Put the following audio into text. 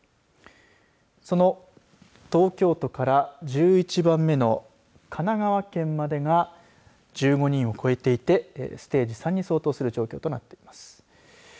その東京都から、１１番目の神奈川県までが１５人を超えていてステージ３に相当する状況となっています。